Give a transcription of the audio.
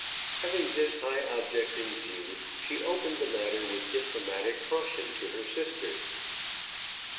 Having this high object in view, she opened the matter with diplomatic caution to her sister.